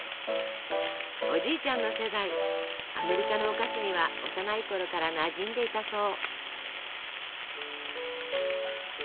おじいちゃんの世代アメリカのお菓子には幼いころからなじんでいたそう。